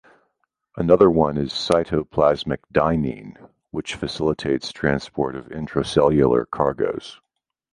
Another one is cytoplasmic dynein which facilitates transport of intracellular cargos.